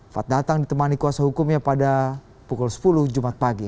fat datang ditemani kuasa hukumnya pada pukul sepuluh jumat pagi